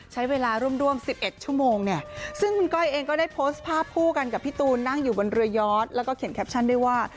ใช้เวลาร่วมร่วม๑๑ชั่วโมงเนี่ยซึ่งคุณก้อยเองก็ได้โพสต์ภาพคู่กันกับพี่ตูนนั่งอยู่บนเรือยอดแล้วก็เขียนแคปชั่นด้วยว่า